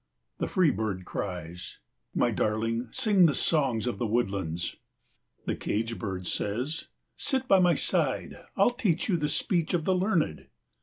The free bird cries, "My darling, sing the songs of the woodlands." The cage bird says, "Sit by my side, I'll teach you the speech of the learned."